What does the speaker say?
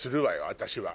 私は。